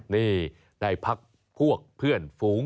นี่ได้พักพวกเพื่อนฝูง